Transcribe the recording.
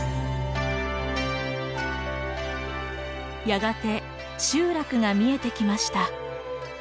やがて集落が見えてきました。